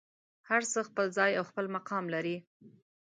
هر څه خپل ځای او خپل مقام لري.